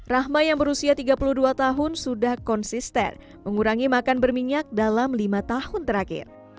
rahma yang berusia tiga puluh dua tahun sudah konsisten mengurangi makan berminyak dalam lima tahun terakhir